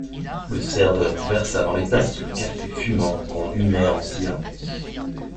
Le serveur versa dans les tasses le café fumant qu'on humait en silence.